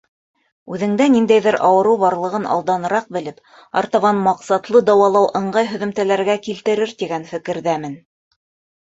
Үҙеңдә ниндәйҙер ауырыу барлығын алданыраҡ белеп, артабан маҡсатлы дауалау ыңғай һөҙөмтәләргә килтерер тигән фекерҙәмен